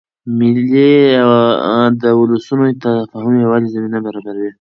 مېلې اد ولسونو د تفاهم او یووالي زمینه برابروي.